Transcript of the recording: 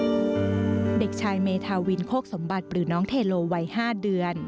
เด็กชายเมธาวินโคกสมบัติหรือน้องเทโลวัย๕เดือน